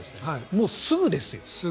もうすぐですよ。